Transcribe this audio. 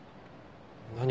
何？